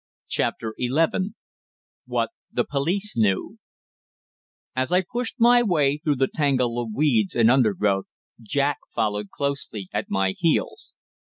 CHAPTER ELEVEN WHAT THE POLICE KNEW As I pushed my way through the tangle of weeds and undergrowth, Jack followed closely at my heels.